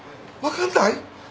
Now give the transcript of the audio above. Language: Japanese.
分かんない？